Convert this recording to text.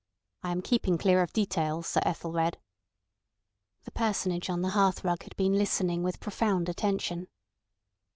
I am keeping clear of details, Sir Ethelred." The Personage on the hearthrug had been listening with profound attention.